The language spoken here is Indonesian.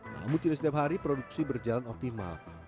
namun tidak setiap hari produksi berjalan optimal